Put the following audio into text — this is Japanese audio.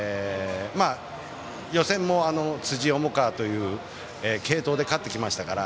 予選も辻、重川という継投で勝ってきましたから。